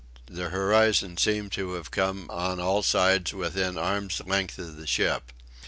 The horizon seemed to have come on all sides within arm's length of the ship.